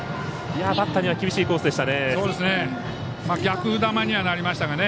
バッターには厳しいコースでした。